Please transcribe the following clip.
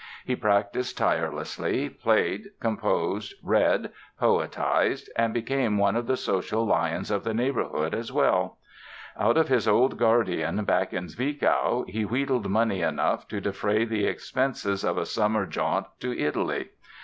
He practised tirelessly, played, composed, read, "poetized" and became one of the social lions of the neighborhood as well. Out of his old guardian, back in Zwickau, he wheedled money enough to defray the expenses of a summer jaunt to Italy.